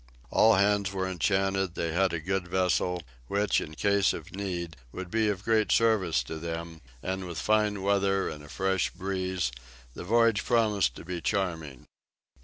All hands were enchanted, they had a good vessel, which, in case of need, would be of great service to them, and with fine weather and a fresh breeze the voyage promised to be charming.